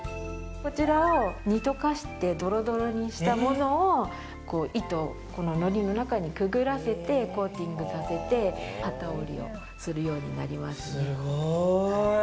こちらを煮溶かしてどろどろにしたものを糸、のりの中にくぐらせてコーティングさせて機織りをするようになりますね。